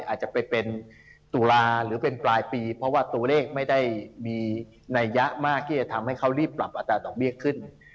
อาจจะไปเป็นตุลาหรือเป็นปลายปีเพราะว่าตัวเลขไม่ได้มีนัยยะมากที่จะทำให้เขารีบปรับอัตราดอกเบี้ยขึ้น